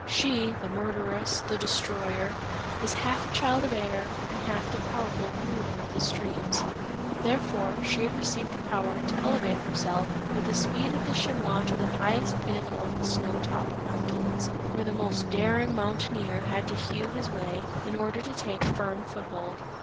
She, the murderess, the destroyer, is half a child of air and half the powerful ruler of the streams; therefore, she had received the power, to elevate herself with the speed of the chamois to the highest pinnacle of the snow topped mountain; where the most daring mountaineer had to hew his way, in order to take firm foot hold.